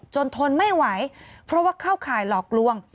ทนไม่ไหวเพราะว่าเข้าข่ายหลอกลวง